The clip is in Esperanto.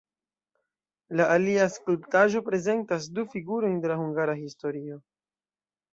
La alia skulptaĵo prezentas du figurojn de la hungara historio.